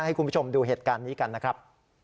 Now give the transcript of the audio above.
ให้คุณผู้ชมดูเหตุการณ์นี้กันนะครับ